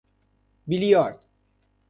بلیارد